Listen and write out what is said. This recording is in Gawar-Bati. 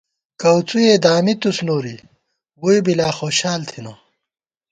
کؤڅُوئے دامِتُوس نوری، ووئی بی لا خوشال تھنہ